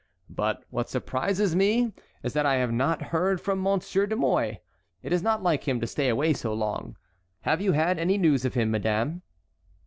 But what surprises me is that I have not heard from Monsieur de Mouy. It is not like him to stay away so long. Have you had any news of him, madame?"